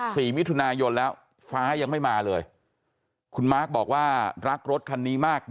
สี่มิถุนายนแล้วฟ้ายังไม่มาเลยคุณมาร์คบอกว่ารักรถคันนี้มาก